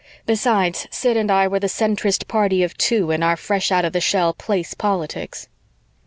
Besides, Sid and I were the centrist party of two in our fresh out of the shell Place politics.